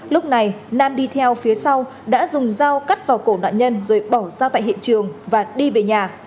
lúc này nam đi theo phía sau đã dùng dao cắt vào cổ nạn nhân rồi bỏ ra tại hiện trường và đi về nhà